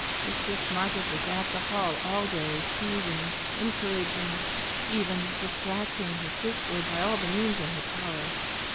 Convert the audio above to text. Mistress Margaret was at the Hall all day, soothing, encouraging, even distracting her sister by all the means in her power.